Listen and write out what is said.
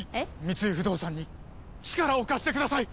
三井不動産に力を貸してください！